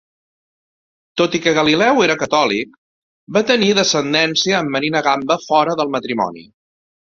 Tot i que Galileu era catòlic, va tenir descendència amb Marina Gamba fora del matrimoni.